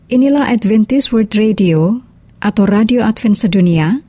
inilah adventist world radio atau radio advent sedunia